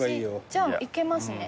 じゃあいけますね。